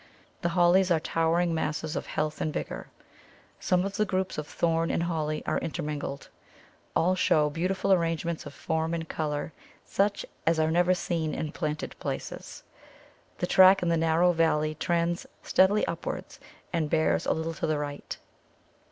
The Hollies are towering masses of health and vigour. Some of the groups of Thorn and Holly are intermingled; all show beautiful arrangements of form and colour, such as are never seen in planted places. The track in the narrow valley trends steadily upwards and bears a little to the right.